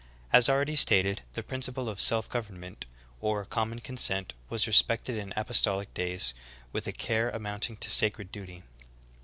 As already stated, the principle of self government, or common consent, was respected in apostolic days with a care amounting to sacred duty.